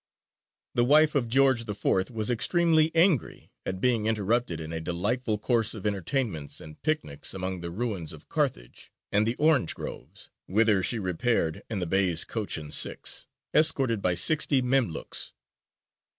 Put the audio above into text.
" The wife of George IV. was extremely angry at being interrupted in a delightful course of entertainments, and picnics among the ruins of Carthage and the orange groves, whither she repaired in the Bey's coach and six, escorted by sixty memlūks.